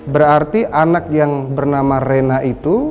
berarti anak yang bernama rena itu